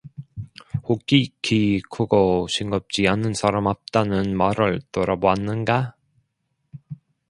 홋기 키 크고 싱겁지 않은 사람 없다는 말을 들어 봤는가?